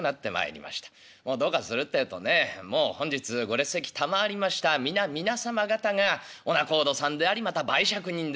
どうかするってえとねもう本日ご列席たまわりました皆々様方がお仲人さんでありまた媒酌人であります